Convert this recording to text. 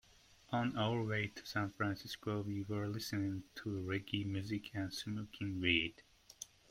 On our way to San Francisco, we were listening to reggae music and smoking weed.